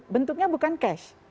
bentuknya bukan cash